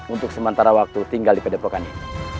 untuk sementara waktu tinggal di pedepokan ini